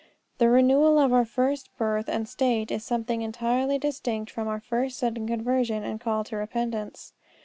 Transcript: The renewal of our first birth and state is something entirely distinct from our first sudden conversion and call to repentance.